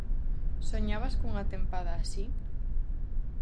Soñabas cunha tempada así?